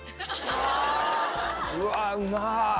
うわうまっ。